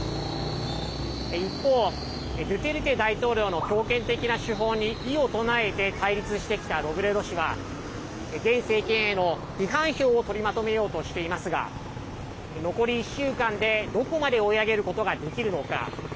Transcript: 一方、ドゥテルテ大統領の強権的な手法に異を唱えて対立してきたロブレド氏は現政権への批判票を取りまとめようとしていますが残り１週間でどこまで追い上げることができるのか。